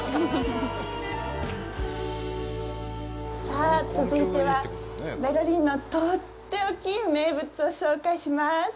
さあ、続いてはベルリンの取って置きの名物を紹介しまーす。